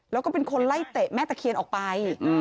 แล้วก็เป็นคนไล่เตะแม่ตะเคียนออกไป